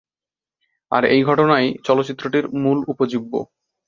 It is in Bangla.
আর এই ঘটনাই চলচ্চিত্রটির মূল উপজীব্য।